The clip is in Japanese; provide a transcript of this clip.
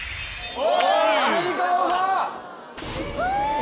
お！